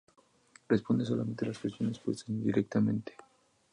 Responde solamente a las cuestiones puestas indirectamente.